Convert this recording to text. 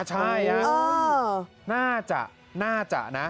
ใช่น่าจะน่าจะนะ